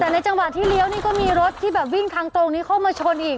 แต่ในจังหวะที่เลี้ยวนี่ก็มีรถที่แบบวิ่งทางตรงนี้เข้ามาชนอีก